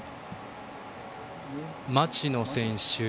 町野選手。